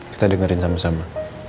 kita dengerin sama sama